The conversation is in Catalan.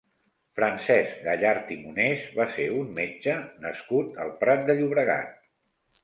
Francesc Gallart i Monés va ser un metge nascut al Prat de Llobregat.